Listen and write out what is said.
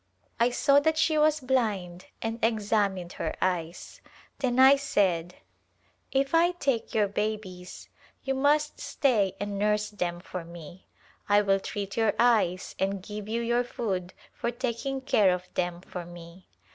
I saw that she was blind and examined her eyes, then I said, " If I take your babies you must stay and nurse them for me. I will treat your eyes and give you your food for taking care of them for me."